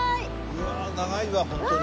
うわあ長いわホントに。